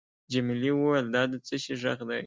جميلې وويل:: دا د څه شي ږغ دی؟